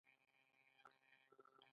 د مڼو د کوډلینګ مټ څنګه کنټرول کړم؟